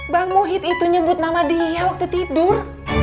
bang muhid itu nyebut nama dia waktu tidur